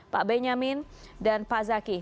pak benyamin dan pak zaki